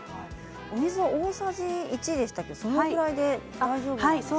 お水が大さじ１そのくらいで大丈夫ですか。